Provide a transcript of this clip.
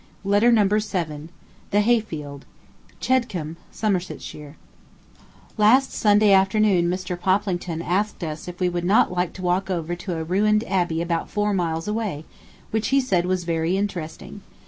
Letter Number Seven CHEDCOMBE, SOMERSETSHIRE Last Sunday afternoon Mr. Poplington asked us if we would not like to walk over to a ruined abbey about four miles away, which he said was very interesting.